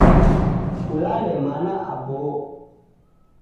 Kulale mana aboo.